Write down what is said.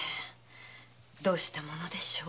どうしたものでしょう。